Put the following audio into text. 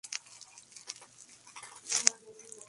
Es tan falso, todo lo de Hollywood.